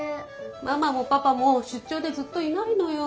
ママもパパもしゅっちょうでずっといないのよ。